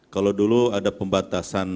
kalau dulu ada pembatasan